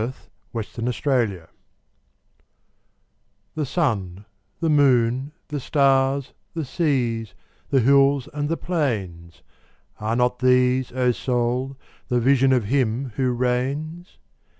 The Higher Pantheism THE SUN, the moon, the stars, the seas, the hills and the plains—Are not these, O Soul, the Vision of Him who reigns?